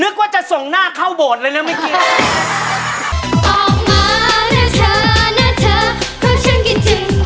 นึกว่าจะส่งหน้าเข้าโบสถ์เลยนะเมื่อกี้